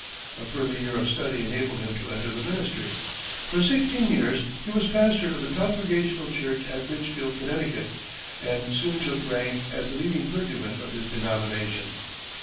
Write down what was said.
A further year of study enabled him to enter the ministry. For sixteen years, he was pastor of the Congregational church at Litchfield, Connecticut, and soon took rank as the leading clergyman of his denomination.